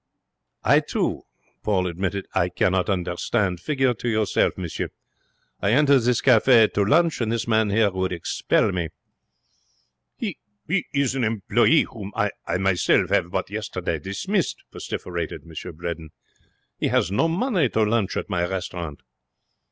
'I too,' he admitted, 'I cannot understand. Figure to yourself, monsieur. I enter this cafe to lunch, and this man here would expel me.' 'He is an employe whom I I myself have but yesterday dismissed,' vociferated M. Bredin. 'He has no money to lunch at my restaurant.'